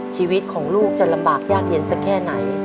ชีวิตของลูกจะลำบากยากเย็นสักแค่ไหน